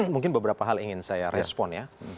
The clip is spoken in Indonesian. mungkin beberapa hal ingin saya respon ya